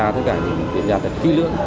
tất cả những kiểm tra thật kỹ lưỡng